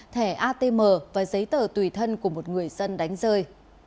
thẻ atm và giấy tờ tùy thân của một người dân đánh rơi